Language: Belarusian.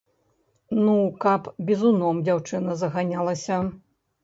Ну, каб бізуном дзяўчына заганялася.